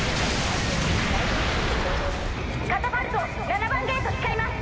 カタパルト７番ゲート使います。